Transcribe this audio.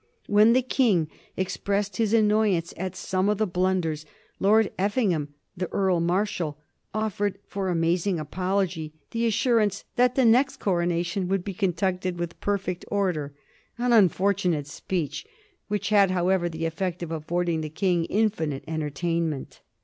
When the King expressed his annoyance at some of the blunders, Lord Effingham, the Earl Marshal, offered, for amazing apology, the assurance that the next coronation would be conducted with perfect order, an unfortunate speech, which had, however, the effect of affording the King infinite entertainment.